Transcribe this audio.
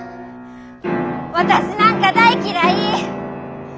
私なんか大嫌い！